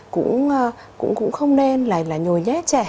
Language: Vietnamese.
cũng không nên là nhồi nhét trẻ